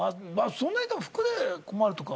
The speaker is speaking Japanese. そんなに服で困るとか。